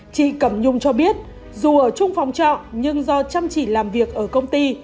chị cẩm nhung cho biết dù ở chung phòng trọ nhưng do chăm chỉ làm việc ở công ty